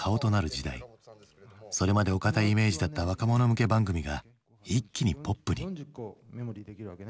それまでお堅いイメージだった若者向け番組が一気にポップに。